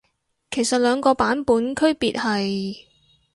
其實兩個版本區別係？